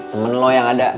temen lo yang ada